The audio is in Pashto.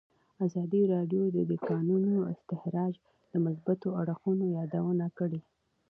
ازادي راډیو د د کانونو استخراج د مثبتو اړخونو یادونه کړې.